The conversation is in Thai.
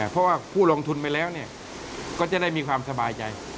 เพราะว่าผู้ลงทุนไปแล้วก็จะได้มีความสบายใจ